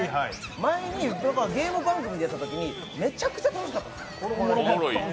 前にゲーム番組でやったときにめちゃくちゃ面白かったんですよ。